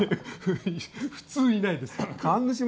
普通いないです。